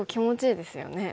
ですよね。